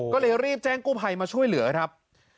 ก็เลยรีบแจ้งกู้ภัยมาช่วยเหลือครับ